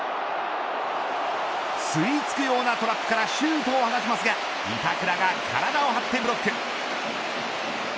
吸いつくようなトラップからシュートを放ちますが板倉が体を張ってブロック。